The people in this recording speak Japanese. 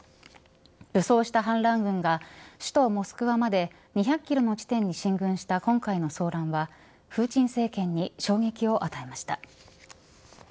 武装した反乱軍が首都モスクワまで２００キロの地点に進軍した今回の騒乱はプーチン政権に衝撃を与えました。